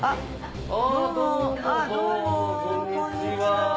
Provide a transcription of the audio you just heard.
あっどうもこんにちは。